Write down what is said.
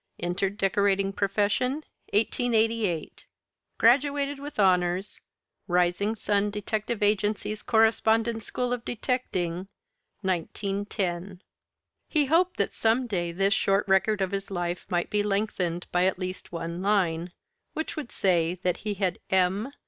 Entered decorating profession, 1888. Graduated with honors, Rising Sun Detective Agency's Correspondence School of Detecting, 1910. He hoped that some day this short record of his life might be lengthened by at least one line, which would say that he had "m.